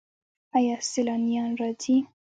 آیا سیلانیان راځي؟